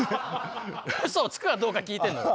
うそをつくかどうか聞いてんのよ。